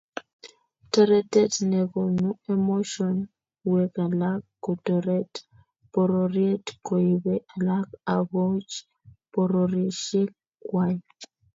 Toretet nekonu emotionwek alak kotoret pororiet koibe alak akogoch pororiosiek kwai